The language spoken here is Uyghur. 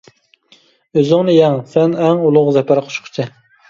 ئۆزۈڭنى يەڭ، سەن ئەڭ ئۇلۇغ زەپەر قۇچقۇچى.